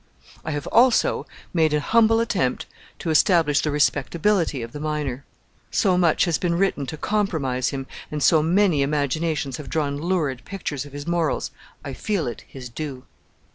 I have also made a humble attempt to establish the respectability of the miner. So much has been written to compromise him, and so many imaginations have drawn lurid pictures of his morals, I feel it his due.